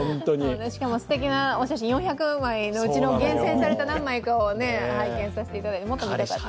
しかもすてきなお写真４００枚、もちろん厳選された何枚か拝見させていただいて、もっと見たかったです。